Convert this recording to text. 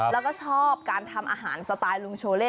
แล้วก็ชอบการทำอาหารสไตล์ลุงโชเล่